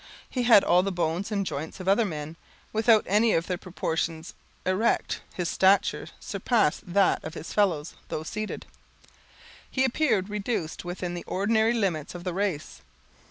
He had all the bones and joints of other men, without any of their proportions. Erect, his stature surpassed that of his fellows; though seated, he appeared reduced within the ordinary limits of the race.